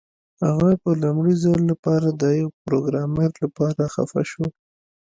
هغه د لومړي ځل لپاره د یو پروګرامر لپاره خفه شو